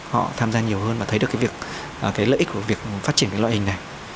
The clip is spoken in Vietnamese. họ tham gia nhiều hơn và thấy được lợi ích của việc phát triển loại hình này